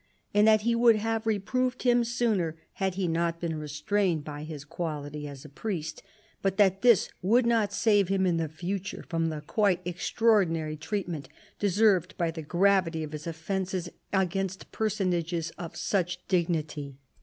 And that he would have reproved him sooner, had he not been restrained by his quality as a priest ; but that this would not save him in the future from the quite extraordinary treatment deserved by the gravity of his offences against personages of such dignity."